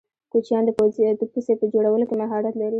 کوچیان د پوڅې په جوړولو کی مهارت لرې.